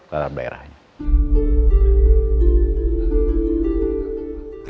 rencana daud untuk menjadi senator